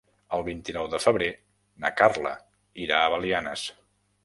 El vint-i-nou de febrer na Carla irà a Belianes.